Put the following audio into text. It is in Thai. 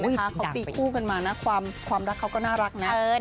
เขาตีคู่กันมานะความรักเขาก็น่ารักนะ